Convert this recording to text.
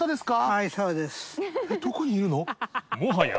・はい。